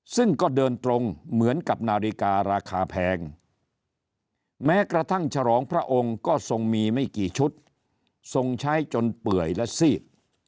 ซึ่งก็เดินตรงเหมือนกับนาฬิการาคาแพงแม้กระทั่งฉลองพระองค์ก็ทรงมีไม่กี่ชุดทรงใช้จนเปื่อยและซีด